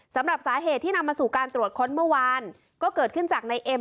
สำหรับสาเหตุที่นำมาสู่การตรวจค้นเมื่อวานก็เกิดขึ้นจากในเอ็ม